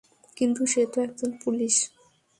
কিন্তু সে তো একজন পুলিশ।